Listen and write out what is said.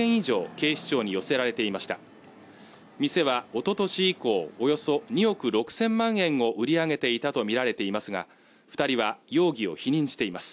警視庁に寄せられていました店はおととし以降およそ２億６０００万円を売り上げていたと見られていますが二人は容疑を否認しています